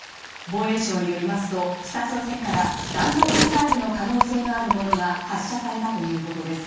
防衛省によりますと北朝鮮から、弾道ミサイルの可能性のあるものが発射されたということです。